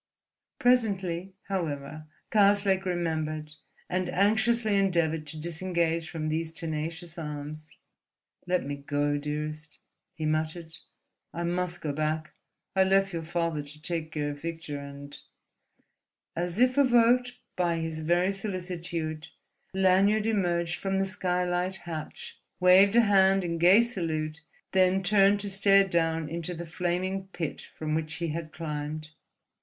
Presently, however, Karslake remembered, and anxiously endeavoured to disengage from these tenacious arms. "Let me go, dearest," he muttered. "I must go back—I left your father to take care of Victor, and—" As if evoked by his very solicitude Lanyard emerged from the skylight hatch, waved a hand in gay salute, then turned to stare down into the flaming pit from which he had climbed.